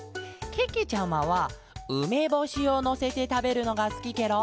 けけちゃまはうめぼしをのせてたべるのがすきケロ。